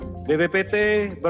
dan juga untuk mengembangkan kesehatan